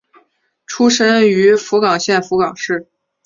出身于福冈县福冈市。